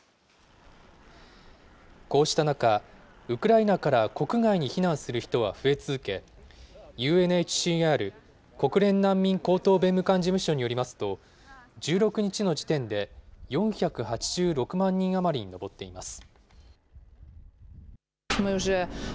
こうした中、ウクライナから国外に避難する人が増え続け、ＵＮＨＣＲ・国連難民高等弁務官事務所によりますと、１６日の時点で４８６万人余りに上っています。